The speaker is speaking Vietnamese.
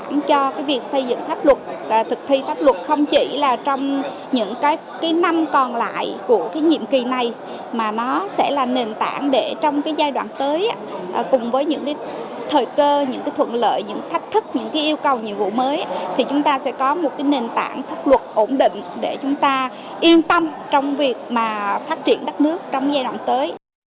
nền tảng cho việc xây dựng tháp luật thực thi tháp luật không chỉ là trong những năm còn lại của nhiệm kỳ này mà nó sẽ là nền tảng để trong giai đoạn tới cùng với những thời cơ những thuận lợi những thách thức những yêu cầu những vụ mới thì chúng ta sẽ có một nền tảng tháp luật ổn định để chúng ta yên tâm trong việc phát triển đất nước trong giai đoạn tới